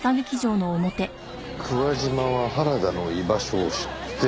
桑島は原田の居場所を知ってると？